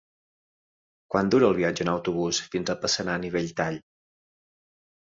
Quant dura el viatge en autobús fins a Passanant i Belltall?